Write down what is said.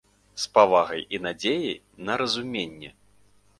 З павагай і надзеяй на разуменне.